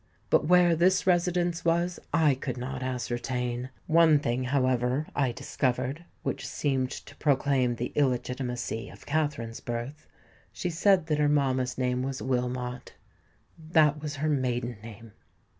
But where this residence was, I could not ascertain. One thing, however, I discovered, which seemed to proclaim the illegitimacy of Katherine's birth: she said that her mamma's name was Wilmot. That was her maiden name!"